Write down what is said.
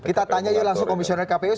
kita tanya yuk langsung komisioner kpu